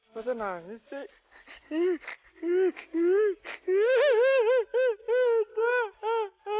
gak usah nangis sih